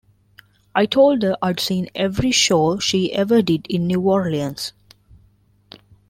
I told her I'd seen every show she ever did in New Orleans.